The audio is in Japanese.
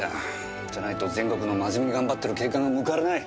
じゃないと全国の真面目に頑張ってる警官が報われない。